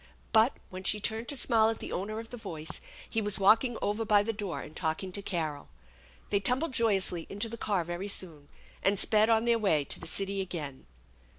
But, when she turned to smile at the owner of the voice, he was walking over by the door and talking to Carol. They tumbled joyously into the car very soon, and sped on their way to the city again.